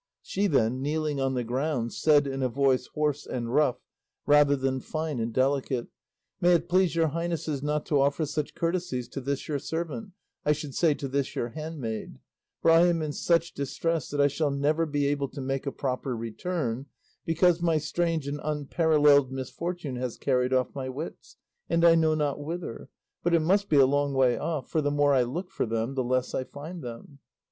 She then, kneeling on the ground, said in a voice hoarse and rough, rather than fine and delicate, "May it please your highnesses not to offer such courtesies to this your servant, I should say to this your handmaid, for I am in such distress that I shall never be able to make a proper return, because my strange and unparalleled misfortune has carried off my wits, and I know not whither; but it must be a long way off, for the more I look for them the less I find them."